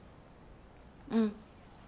うん。